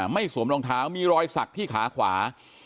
สวมรองเท้ามีรอยสักที่ขาขวา